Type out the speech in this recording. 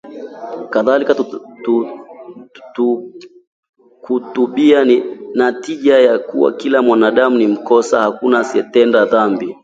Kadhalika, kutubia, ni natija ya kuwa kila mwanadamu ni mkosa; hakuna asiyetenda dhambi